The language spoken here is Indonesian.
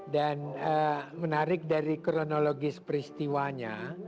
dan menarik dari kronologis peristiwanya